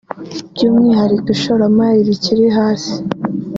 by’umwihariko ishoramari rikiri hasi